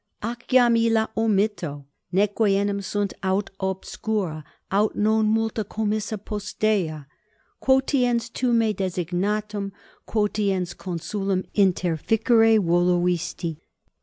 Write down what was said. Ac iam illa omitto neque enim sunt aut obscura aut non multa commissa postea : quotiens tu me designatum, quotiens consulem interficere voluisti!